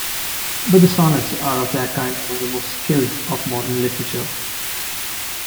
But the sonnets are of their kind among the most skilled of modern literature.